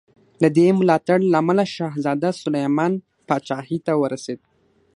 د دې ملاتړ له امله شهزاده سلیمان پاچاهي ته ورسېد.